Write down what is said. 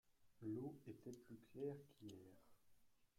L’eau était plus claire qu’hier.